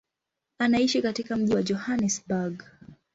Anaishi katika mji wa Johannesburg.